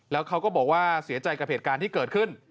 แล้วเขาก็บอกว่าเสียใจกับเหตุการณ์ที่เกิดขึ้น